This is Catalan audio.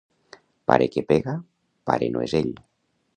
Pare que pega, pare no és ell.